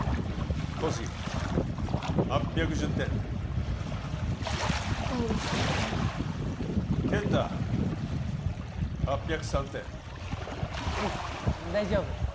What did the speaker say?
小杉８１０点思ったより低いかも健太８０３点うん大丈夫